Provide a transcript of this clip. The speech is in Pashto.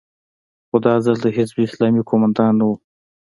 خو دا ځل د حزب اسلامي قومندانان نه وو.